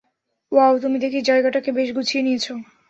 Wow, তুমি দেখি জায়গাটাকে বেশ গুছিয়ে নিয়েছ।